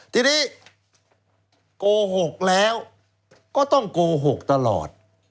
ทีนี้โกหกแล้วก็ต้องโกหกตลอด